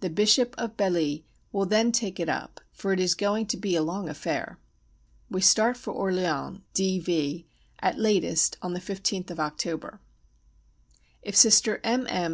The Bishop of Belley will then take it up, for it is going to be a long affair. We start for Orleans (D.V.) at latest on the 15th of October. If Sister M. M.'